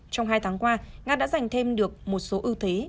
trong hai tháng qua nga đã giành thêm được một số ưu thế